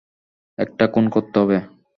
একটা খুন করতে হবে।